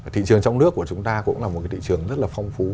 thị trường trong nước của chúng ta cũng là một cái thị trường rất là phong phú